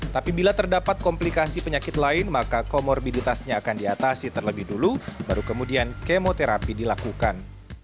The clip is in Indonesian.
tapi bila terdapat komplikasi penyakit lain maka komorbiditasnya akan diatasi terlebih dulu baru kemudian kemoterapi dilakukan